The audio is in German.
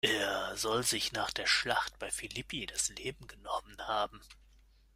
Er soll sich nach der Schlacht bei Philippi das Leben genommen haben.